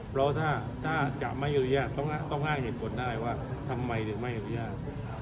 เพราะถ้าจะไม่อนุญาตต้องอ้างเหตุผลได้ว่าทำไมถึงไม่อนุญาต